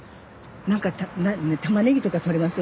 何かたまねぎとか取れます？